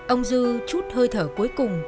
ông dư chút hơi thở cuối cùng